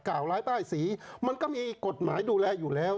ร้ายป้ายสีมันก็มีกฎหมายดูแลอยู่แล้ว